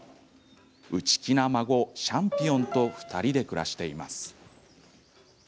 内気な孫・シャンピオンと２人で暮らしています。